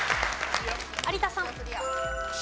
有田さん。